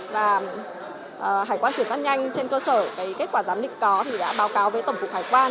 và hải quan thủy phát nhanh trên cơ sở cái kết quả giám định có thì đã báo cáo với tổng cục hải quan